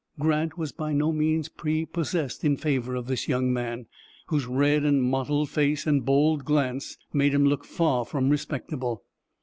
Grant was by no means prepossessed in favor of this young man, whose red and mottled face, and bold glance made him look far from respectable.